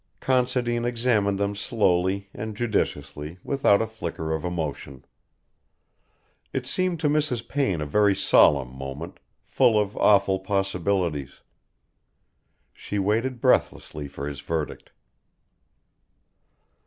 Considine examined them slowly and judicially without a flicker of emotion. It seemed to Mrs. Payne a very solemn moment, full of awful possibilities. She waited breathlessly for his verdict.